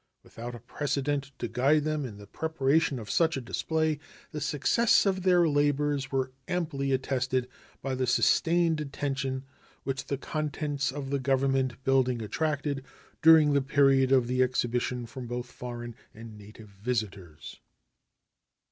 Without a precedent to guide them in the preparation of such a display, the success of their labors was amply attested by the sustained attention which the contents of the Government building attracted during the period of the exhibition from both foreign and native visitors.